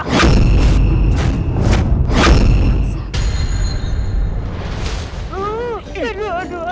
aduh aduh aduh